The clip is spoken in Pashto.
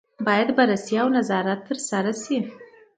باید بررسي او نظارت ترسره شي.